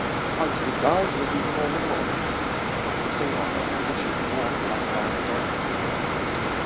Pug's disguise was even more minimal; consisting of a handkerchief worn like a bandanna.